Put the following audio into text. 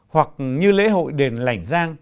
hoặc như lễ hội đền lảnh giang